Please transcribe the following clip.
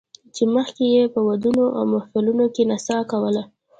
چې مخکې یې په ودونو او محفلونو کې نڅا کوله